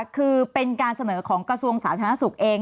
คือเป็นการเสนอของกระทรวงสาธารณสุขเอง